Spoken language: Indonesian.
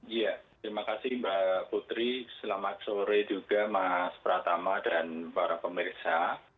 iya terima kasih mbak putri selamat sore juga mas pratama dan para pemirsa